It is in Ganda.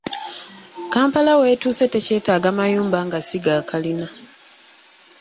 Kampala w’etuuse tekyetaaga mayumba nga si ga kalina.